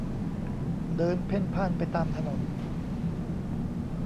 เดินเพ่นพ่านไปตามถนน